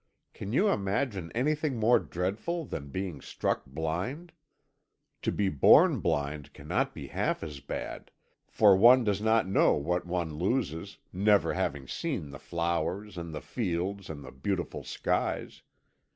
Can you imagine anything more dreadful than being struck blind? To be born blind cannot be half as bad, for one does not know what one loses never having seen the flowers, and the fields, and the beautiful skies.